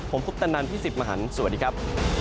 ผมพุทธนันที่๑๐มหันตร์สวัสดีครับ